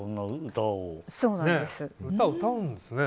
歌、歌うんですね。